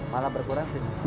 malah berkurang sih